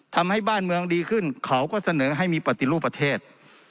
ทำให้บ้านเมืองดีขึ้นเขาก็เสนอให้มีปฏิรูปประเทศ